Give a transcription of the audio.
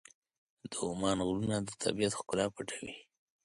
د عمان غرونه د طبیعت ښکلا پټوي.